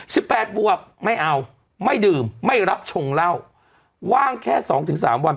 แปดบวกไม่เอาไม่ดื่มไม่รับชงเหล้าว่างแค่สองถึงสามวัน